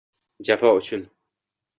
«Jafo uchun